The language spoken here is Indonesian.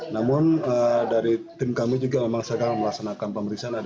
namun dari tim kami juga memang sedang melaksanakan pemeriksaan